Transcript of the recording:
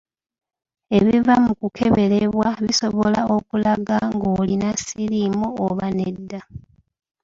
Ebiva mu kukeberebwa bisobola okulaga oba ng’olina siriimu oba nedda.